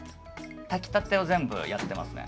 炊きたてを全部やってますね。